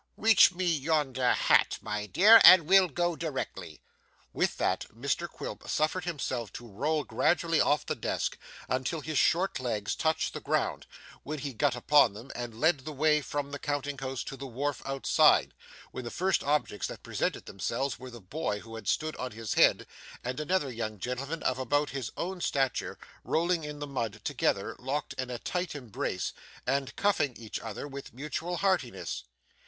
Reach me yonder hat, my dear, and we'll go directly.' With that, Mr Quilp suffered himself to roll gradually off the desk until his short legs touched the ground, when he got upon them and led the way from the counting house to the wharf outside, when the first objects that presented themselves were the boy who had stood on his head and another young gentleman of about his own stature, rolling in the mud together, locked in a tight embrace, and cuffing each other with mutual heartiness.